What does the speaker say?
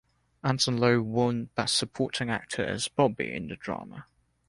Anson Lo won Best Supporting Actor as Bobby in the drama.